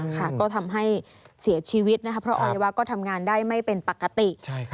ก็ทำให้เสียชีวิตนะคะเพราะอวัยวะก็ทำงานได้ไม่เป็นปกติ